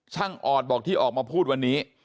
ออดบอกที่ออกมาพูดวันนี้